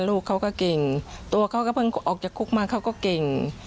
ลูกเขาก็เก่งตัวเขาก็เพิ่งออกจากคุกมาเขาก็เก่ง